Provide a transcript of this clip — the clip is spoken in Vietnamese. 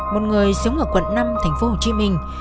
một người sống ở quận năm thành phố hồ chí minh